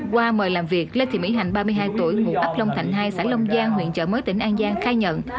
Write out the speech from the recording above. qua mời làm việc lê thị mỹ hạnh ba mươi hai tuổi ngụ ấp long thạnh hai xã long giang huyện chợ mới tỉnh an giang khai nhận